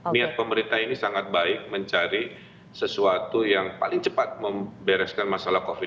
niat pemerintah ini sangat baik mencari sesuatu yang paling cepat membereskan masalah covid sembilan belas